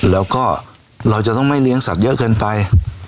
แล้วก็เราจะต้องไม่เลี้ยงสัตว์เยอะเกินไป